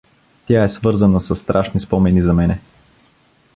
Тя е свързана със страшни спомени за мене.